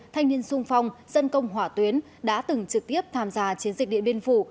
thanh niên sung phong dân công hỏa tuyến đã từng trực tiếp tham gia chiến dịch điện biên phủ